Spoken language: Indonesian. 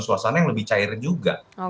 suasana yang lebih cair juga